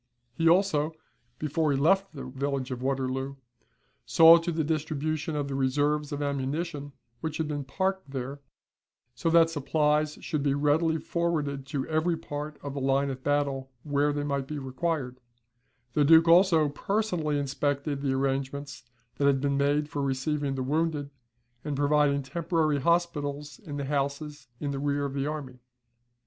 He also, before he left the village of Waterloo, saw to the distribution of the reserves of ammunition which had been parked there, so that supplies should be readily forwarded to every part of the line of battle, where they might be required, The Duke, also, personally inspected the arrangements that had been made for receiving the wounded, and providing temporary hospitals in the houses in the rear of the army.